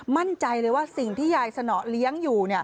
มั่นใจเลยว่าสิ่งที่ยายสนอเลี้ยงอยู่